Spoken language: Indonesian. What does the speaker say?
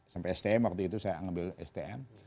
sampai stm waktu itu saya ngambil stm